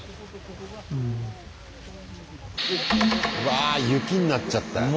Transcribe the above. わあ雪になっちゃったよ。